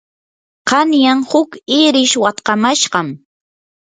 qanyan huk irish watkamashqam.